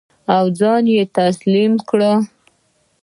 او ځان یې تسلیم کړ.